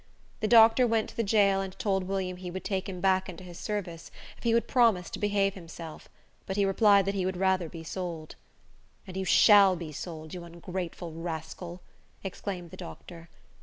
The doctor went to the jail and told William he would take him back into his service if he would promise to behave himself but he replied that he would rather be sold. "And you shall be sold, you ungrateful rascal!" exclaimed the doctor.